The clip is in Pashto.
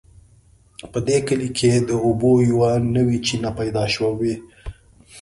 په دې کلي کې د اوبو یوه نوې چینه پیدا شوې